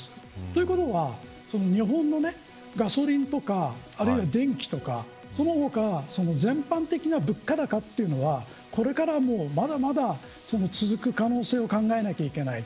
ということは日本のガソリンとかあるいは電気とかその他全般的な物価高というのはこれからもまだまだ続く可能性を考えなきゃいけない。